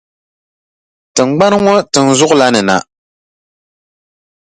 Tiŋgbani ŋɔ tiŋʼ zuɣu la ni na.